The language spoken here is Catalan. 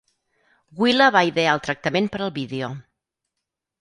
Willa va idear el tractament per al vídeo.